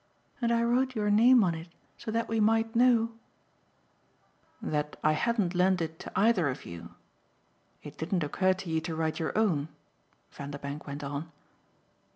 And I wrote your name on it so that we might know " "That I hadn't lent it to either of you? It didn't occur to you to write your own?" Vanderbank went on.